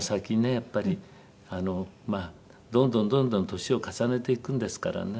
やっぱりあのまあどんどんどんどん年を重ねていくんですからね